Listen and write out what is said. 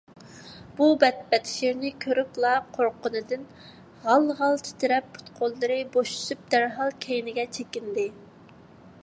بۇ بەتبەشىرىنى كۆرۈپلا قورققىنىدىن غال - غال تىترەپ، پۇت - قوللىرى بوشىشىپ دەرھال كەينىگە چېكىندى.